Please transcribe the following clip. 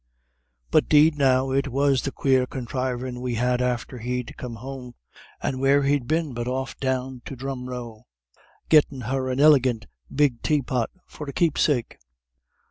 "But 'deed now it was the quare conthrivin' we had after he'd come home. And where'd he been but off down to Drumroe gettin' her an iligant big taypot for a keepsake?